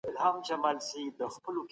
ځینې خلک د وینا له مخې ګومانونه لري.